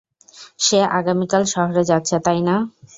সে আগামীকাল শহরে যাচ্ছে, তাই না?